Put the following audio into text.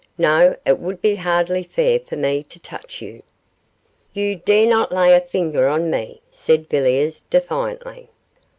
No, it would be hardly fair for me to touch you.' 'You dare not lay a finger on me,' said Villiers, defiantly.